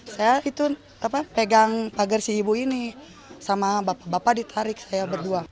saya itu pegang pagar si ibu ini sama bapak bapak ditarik saya berdua